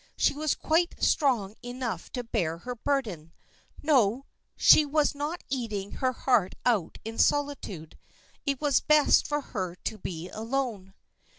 She was quite strong enough to bear her burden. No, she was not eating her heart out in solitude. It was best for her to be alone.